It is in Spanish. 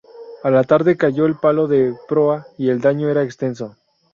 A la tarde cayó el palo de proa y el daño era extenso.